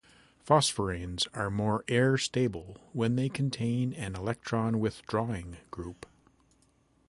Phosphoranes are more air-stable when they contain an electron withdrawing group.